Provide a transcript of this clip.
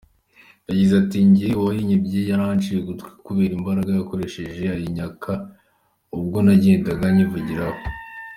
Yagize ati “ Njye uwayinyibye yari anciye ugutwi kubera imbaraga yakoresheje ayinyaka ubwo nagendaga nyivugiraho.